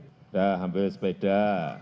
sudah hampir sepeda